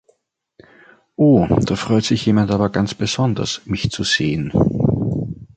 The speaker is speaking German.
Oh, da freut sich jemand aber ganz besonders mich zu sehen!